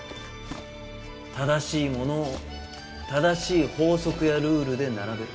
正しいものを正しい法則やルールで並べる。